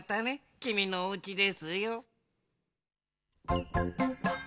きみのおうちですよ。